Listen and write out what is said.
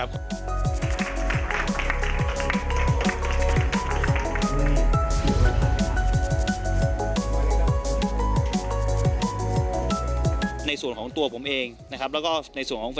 แล้วก็กำหนดทิศทางของวงการฟุตบอลในอนาคต